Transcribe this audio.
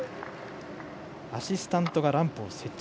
アシスタントがランプを設置。